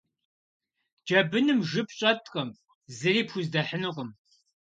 Джэбыным жып щӏэткъым, зыри пхуздэхьынукъым.